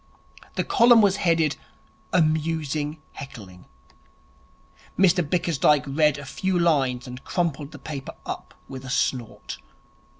The column was headed, 'Amusing Heckling'. Mr Bickersdyke read a few lines, and crumpled the paper up with a snort.